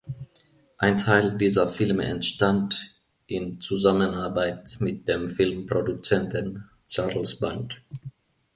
Ein Teil dieser Filme entstand in Zusammenarbeit mit dem Filmproduzenten Charles Band.